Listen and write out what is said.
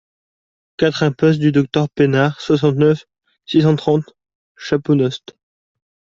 quatre impasse du Docteur Pénard, soixante-neuf, six cent trente, Chaponost